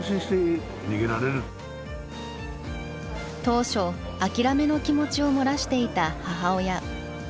当初諦めの気持ちを漏らしていた母親。